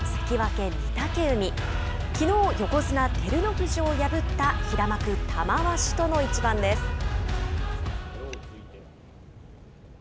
きのう横綱・照ノ富士を破った平幕・玉鷲との一番です。